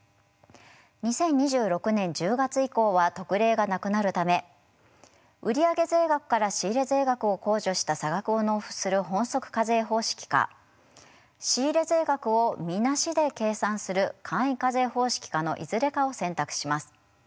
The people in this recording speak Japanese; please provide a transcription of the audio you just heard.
２０２６年１０月以降は特例がなくなるため売り上げ税額から仕入れ税額を控除した差額を納付する本則課税方式か仕入れ税額を見なしで計算する簡易課税方式かのいずれかを選択します。